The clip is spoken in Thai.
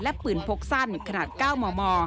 และปืนพกสั้นขนาด๙มม